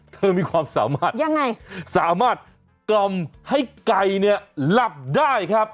เธอมีความสามารถกรรมให้ไก่เนี่ยหลับได้ครับ